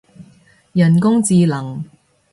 人工智能